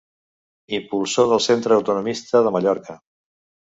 Impulsor del Centre Autonomista de Mallorca.